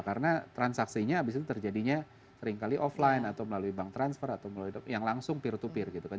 karena transaksinya habis itu terjadinya sering kali offline atau melalui bank transfer atau melalui yang langsung peer to peer gitu kan